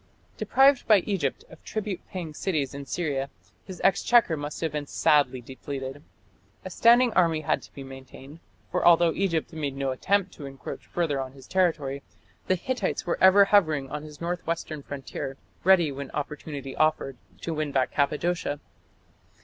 Deprived by Egypt of tribute paying cities in Syria, his exchequer must have been sadly depleted. A standing army had to be maintained, for although Egypt made no attempt to encroach further on his territory, the Hittites were ever hovering on his north western frontier, ready when opportunity offered to win back Cappadocia.